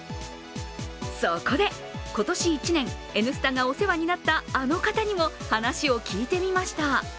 そこで、今年１年「Ｎスタ」がお世話になったあの方にもお話を聞いてみました。